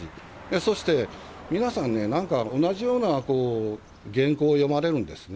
そして皆さんね、なんか同じようなこう、原稿を読まれるんですね。